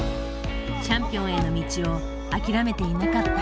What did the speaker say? チャンピンオンへの道を諦めていなかった。